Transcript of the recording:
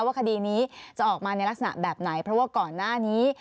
คดีนี้จะออกมาในลักษณะแบบไหนเพราะว่าก่อนหน้านี้